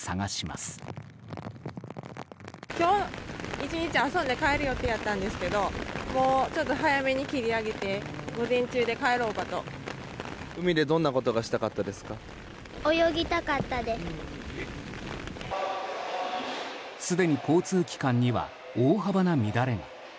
すでに交通機関には大幅な乱れが。